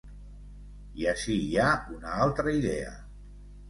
I ací hi ha una altra idea.